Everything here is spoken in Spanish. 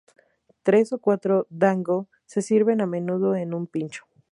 Tres o cuatro "dango" se sirven a menudo en un pincho.